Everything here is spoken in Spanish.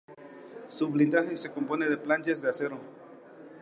Su blindaje se compone de planchas de acero.